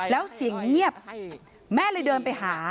แล้วเสียงเงียบแม่เลยเดินไปหา